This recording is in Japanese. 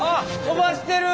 飛ばしてる！